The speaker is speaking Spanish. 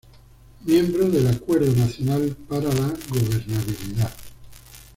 Miembro del Acuerdo Nacional para la Gobernabilidad.